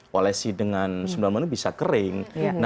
polesi dengan sembilan menit bisa kering